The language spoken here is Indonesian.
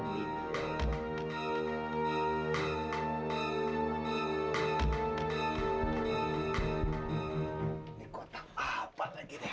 hai ini kotak apa lagi deh